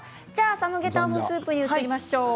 サムゲタンのスープに移りましょう。